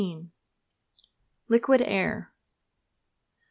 LIQUID AIR.